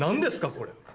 これ。